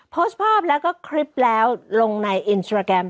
โพสต์ภาพแล้วก็คลิปแล้วลงในอินสตราแกรม